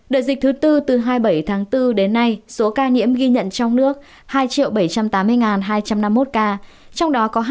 đợt dịch thứ bốn từ hai mươi bảy tháng bốn đến nay số ca nhiễm ghi nhận trong nước hai bảy trăm tám mươi hai trăm năm mươi một ca trong đó có hai hai trăm bảy mươi tám sáu trăm một mươi bảy